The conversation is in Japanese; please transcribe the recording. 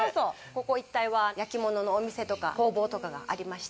ここ一帯は、焼き物のお店とか工房とかがありまして。